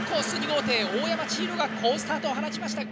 ２号艇大山千広が好スタートを放ちました。